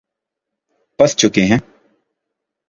پس چکے ہیں